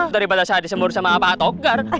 daripada saya disemur sama pak togar